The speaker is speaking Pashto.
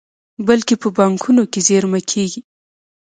بلکې په بانکونو کې زېرمه کیږي.